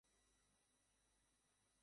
সে সত্যিই বড়ো কিছু পরিকল্পনা করছে।